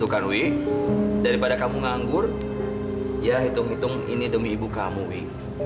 tuh kan wi daripada kamu nganggur ya hitung hitung ini demi ibu kamu wi